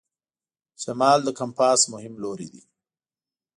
شمال د کمپاس مهم لوری دی.